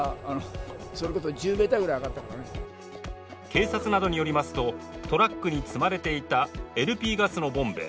警察などによりますとトラックに積まれていたＬＰガスのボンベ